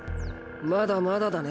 まだまだだね。